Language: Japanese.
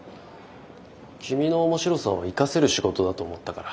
君の面白さを生かせる仕事だと思ったから。